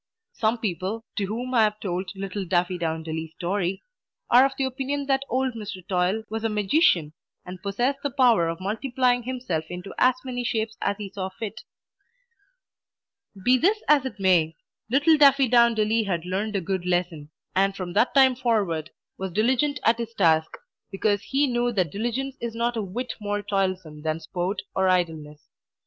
Some people, to whom I have told little Daffydowndilly's story, are of the opinion that old Mr. Toil was a magician, and possessed the power of multiplying himself into as many shapes as he saw fit. Be this as it may, little Daffydowndilly had learned a good lesson, and from that time forward was diligent at his task, because he knew that diligence is not a whit more toilsome than sport or idleness.